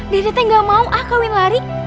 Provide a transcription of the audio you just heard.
diri teh gak mau ah kawin lari